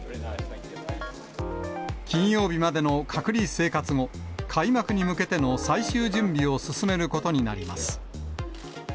金曜日までの隔離生活後、開幕に向けての最終準備を進めることになります。